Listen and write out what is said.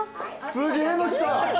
すげえの来た！